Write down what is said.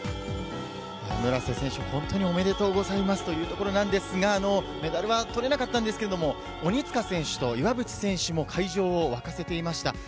村瀬選手、本当におめでとうございますというところなんですが、もう、メダルはとれなかったんですけども、鬼塚選手と岩渕選手も会場を沸かせていました。